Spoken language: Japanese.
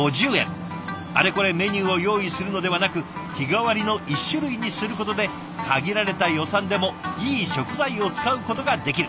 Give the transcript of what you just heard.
あれこれメニューを用意するのではなく日替わりの１種類にすることで限られた予算でもいい食材を使うことができる。